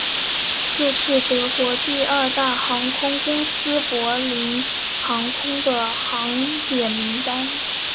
这是德国第二大航空公司柏林航空的航点名单。